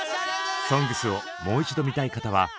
「ＳＯＮＧＳ」をもう一度見たい方はＮＨＫプラスで。